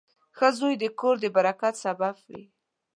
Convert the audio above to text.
• ښه زوی د کور د برکت سبب وي.